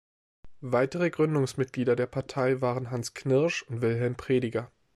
Weitere Gründungsmitglieder der Partei waren Hans Knirsch und Wilhelm Prediger.